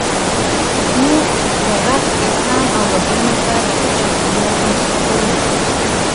موږ په غرب کې هم اولادونو ته ښه چاپیریال انتخابوو.